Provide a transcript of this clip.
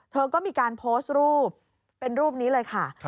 เธอก็มีการโพสต์รูปเป็นรูปนี้เลยค่ะ